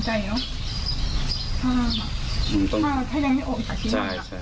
ใจเนาะถ้ายังไม่ออกอีกชีวิตแล้ว